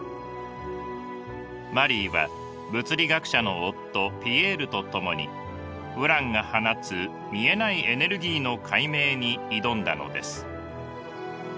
マリーは物理学者の夫ピエールと共にウランが放つ見えないエネルギーの解明に挑んだのです。